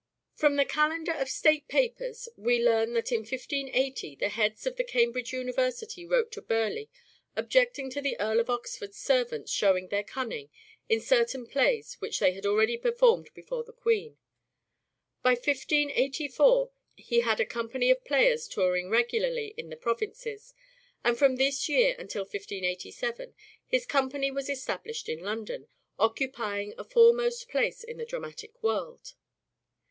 From the Calendar of State Papers we learn that in 1580 the heads of the Cambridge University wrote to Burleigh objecting to the Earl of Oxford's servants " showing their cunning " in certain plays which they had already performed before the Queen. By 1584 he had a company of players touring regularly in the provinces, and from this year until 1587 his company was established in London, occupying a foremost place in the dramatic world.